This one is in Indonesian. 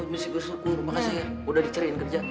masih bersyukur makasih ya udah dicariin kerja